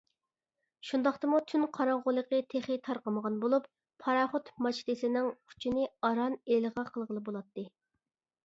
شۇنداقتىمۇ تۈن قاراڭغۇلۇقى تېخى تارقىمىغان بولۇپ، پاراخوت ماچتىسىنىڭ ئۇچىنى ئاران ئىلغا قىلغىلى بولاتتى.